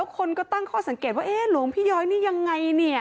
แล้วคนก็ตั้งข้อสังเกตว่าหลวงพี่ย้อยนี่ยังไง